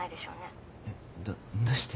えっどっどうして？